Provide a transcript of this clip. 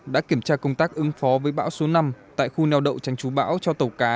đã kiểm tra công tác ứng phó với bão số năm tại khu neo đậu tránh chú bão cho tàu cá